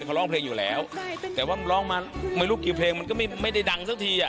เขาร้องเพลงอยู่แล้วแต่ว่ามันร้องมาไม่รู้กี่เพลงมันก็ไม่ได้ดังสักทีอ่ะ